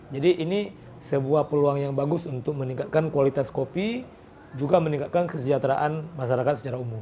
ini sebuah peluang yang bagus untuk meningkatkan kualitas kopi juga meningkatkan kesejahteraan masyarakat secara umum